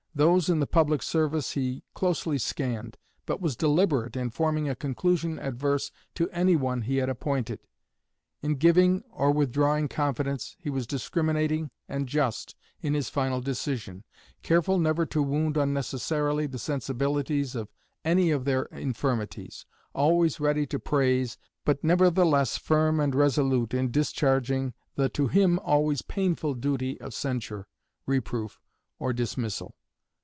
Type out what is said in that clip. Those in the public service he closely scanned, but was deliberate in forming a conclusion adverse to any one he had appointed. In giving or withdrawing confidence he was discriminating and just in his final decision, careful never to wound unnecessarily the sensibilities of any of their infirmities, always ready to praise, but nevertheless firm and resolute in discharging the to him always painful duty of censure, reproof, or dismissal."